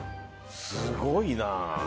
すごいな。